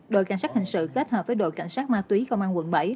đội cảnh sát hành sự tách hợp với đội cảnh sát ma túy công an quận bảy